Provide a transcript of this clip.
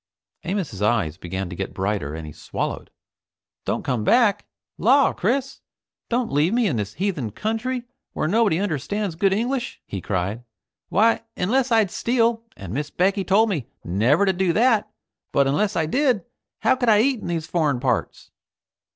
Amos's eyes began to get brighter and he swallowed. "Don't come back? Law! Chris, don't you leave me in this heathen country where nobody understands good English!" he cried. "Why, unless I'd steal, and Miss Becky told me never to do that but unless I did, how could I eat in these foreign parts?"